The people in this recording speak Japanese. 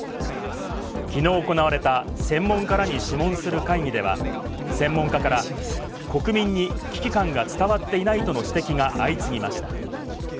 きのう行われた専門家らに諮問する会議では、専門家から、国民に危機感が伝わっていないとの指摘が相次ぎました。